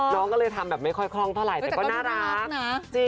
น้องก็เลยทำแบบไม่ค่อยคล่องเท่าไหร่แต่ก็น่ารัก